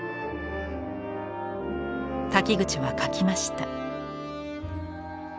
瀧口は書きました。